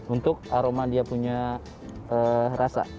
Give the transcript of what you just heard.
untuk aroma dia punya rasa